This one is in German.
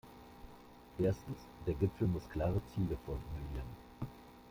Erstens, der Gipfel muss klare Ziele formulieren.